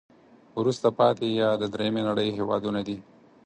وروسته پاتې یا د دریمې نړی هېوادونه دي.